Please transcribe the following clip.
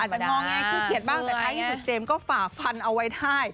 จะงอแงขี้เกียจบ้างแต่ท้ายที่สุดเจมส์ก็ฝ่าฟันเอาไว้ได้